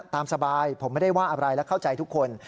ตามสบายผมไม่ได้ว่าอะไรและเข้าใจทุกคน